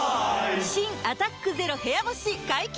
新「アタックＺＥＲＯ部屋干し」解禁‼